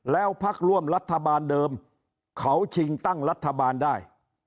แล้วพักร่วมรัฐบาลเดิมเขาชิงตั้งรัฐบาลได้